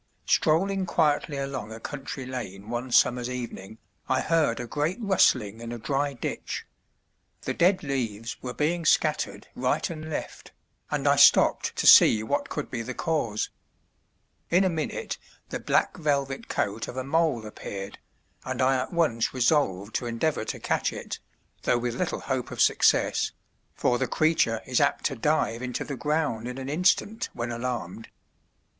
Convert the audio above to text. Strolling quietly along a country lane one summer's evening, I heard a great rustling in a dry ditch, the dead leaves were being scattered right and left, and I stopped to see what could be the cause. In a minute the black velvet coat of a mole appeared, and I at once resolved to endeavour to catch it, though with little hope of success, for the creature is apt to dive into the ground in an instant when alarmed.